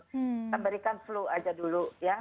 kita berikan flu aja dulu ya